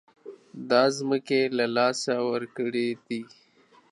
دا ځمکې له لاسه ورکړې دي.